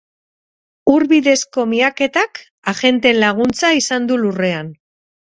Ur bidezko miaketak agenteen laguntza izan du lurrean.